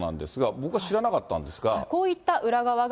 僕は知らなかったんですが。